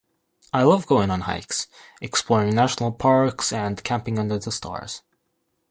I love going on hikes, exploring national parks, and camping under the stars.